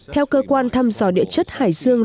theo cơ quan thăm dò địa chất hải dương